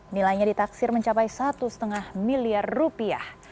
nilainya ditaksir mencapai satu lima miliar rupiah